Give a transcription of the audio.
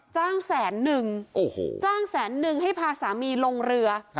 จ้างแสนหนึ่งจ้างแสนหนึ่งให้พาสามีลงเรือ